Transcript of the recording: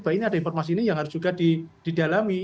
baiknya ada informasi ini yang harus juga didalami